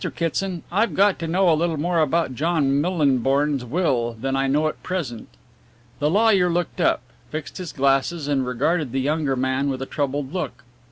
Kitson, I've got to know a little more about John Millinborn's will than I know at present." The lawyer looked up, fixed his glasses and regarded the younger man with a troubled look.